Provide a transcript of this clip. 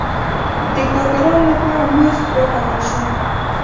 د کارګرانو لپاره مزد وټاکل شو.